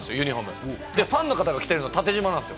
そしてファンの方が着てるのは縦縞なんです。